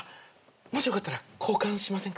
もしよかったら交換しませんか？